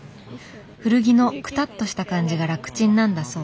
古着のくたっとした感じが楽ちんなんだそう。